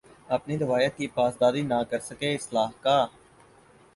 اپنی روایت کی پاسداری نہ کر سکے اصلاح کا